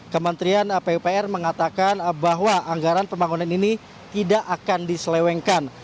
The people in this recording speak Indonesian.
kementerian pupr mengatakan bahwa anggaran pembangunan ini tidak akan diselewengkan